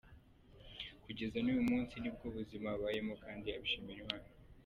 Kugeza n’uyu munsi ni bwo buzima abayemo kandi abishimira Imana.